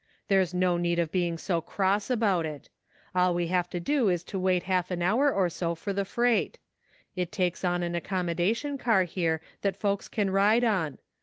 There's no need of being so cross about it. All we have to do is to wait half an hour or so for the freight. It takes on an accommodation car here that folks can ride on.